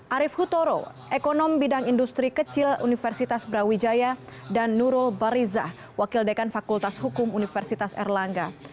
arief kutoro ekonom bidang industri kecil universitas brawijaya dan nurul barizah wakil dekan fakultas hukum universitas erlangga